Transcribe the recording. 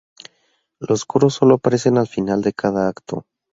Los coros sólo aparecen al final de cada acto.